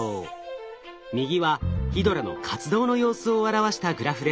右はヒドラの活動の様子を表したグラフです。